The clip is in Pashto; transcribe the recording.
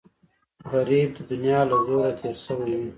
غریب د دنیا له زوره تېر شوی وي